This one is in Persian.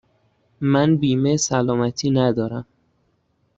من بیمه سلامتی ندارم.